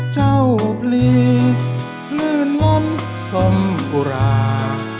เจ้าพลีเลือนวนสมครา